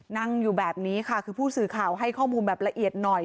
นั่งอยู่แบบนี้ค่ะคือผู้สื่อข่าวให้ข้อมูลแบบละเอียดหน่อย